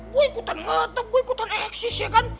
gue ikutan ngatap gue ikutan eksis ya kan